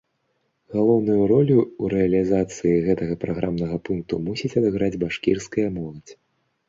Галоўную ролю ў рэалізацыі гэтага праграмнага пункту мусіць адыграць башкірская моладзь.